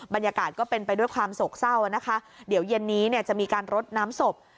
บรรยากาศก็เป็นไปด้วยความโศกเศร้านะคะเดี๋ยวเย็นนี้เนี่ยจะมีการรดน้ำศพ